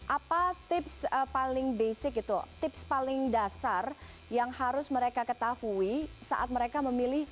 apa tips paling basic gitu tips paling dasar yang harus mereka ketahui saat mereka memilih